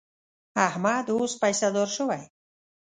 احمد اوس پیسهدار شوی.